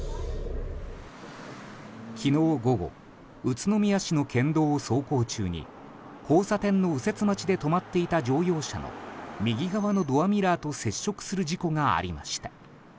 昨日午後宇都宮市の県道を走行中に交差点の右折待ちで止まっていた乗用車の右側のドアミラーと接触する事故がありました。